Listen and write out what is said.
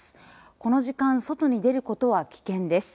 この時間外に出ることは危険です。